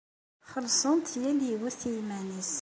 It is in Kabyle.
Xellṣent yal yiwet i yiman-nnes.